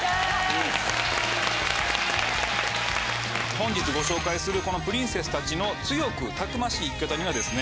本日ご紹介するこのプリンセスたちの強くたくましい生き方にはですね